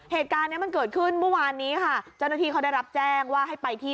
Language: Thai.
เหตุการณ์เนี้ยมันเกิดขึ้นเมื่อวานนี้ค่ะเจ้าหน้าที่เขาได้รับแจ้งว่าให้ไปที่